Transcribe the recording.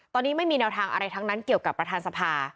ตอนนี้ไม่มีแนวทางอะไรทั้งนั้นเกี่ยวกับประธานสภา